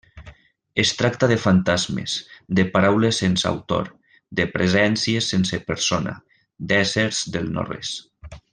Es tracta de fantasmes, de paraules sense autor, de presències sense persona, d'éssers del no-res.